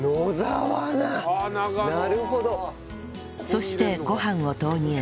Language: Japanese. そしてご飯を投入